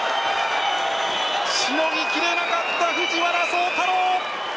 しのぎきれなかった藤原崇太郎。